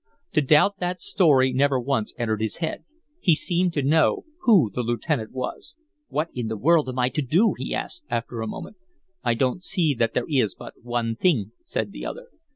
To doubt that story never once entered his head; he seemed to know who the lieutenant was. "What in the world am I to do?" he asked, after a moment. "I don't see that there is but one thing," said the other.